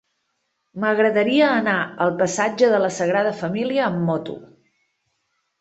M'agradaria anar al passatge de la Sagrada Família amb moto.